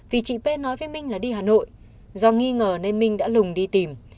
vì chị p nói với minh là đi hà nội do nghi ngờ nên minh đã lùng đi tìm